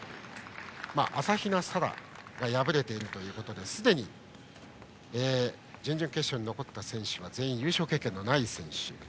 朝比奈沙羅が敗れているということですでに準々決勝に残った選手は全員優勝経験がない選手。